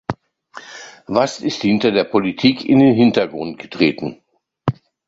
Was ist hinter der Politik in den Hintergrund getreten?